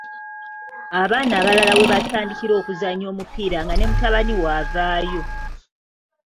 Abaana abalala we batandikira okuzannya omupiira nga ne mutabani wo avaayo.